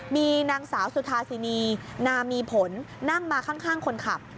มีนางสาวสุธาสินีนามีผลนั่งมาข้างคนขับ